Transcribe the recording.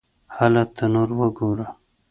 _هله! تنور وګوره!